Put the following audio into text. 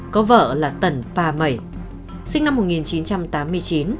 có vợ là tần pà mẩy sinh năm một nghìn chín trăm tám mươi chín